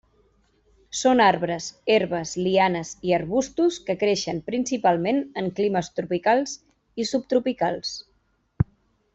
Són arbres, herbes, lianes i arbustos que creixen principalment en climes tropicals i subtropicals.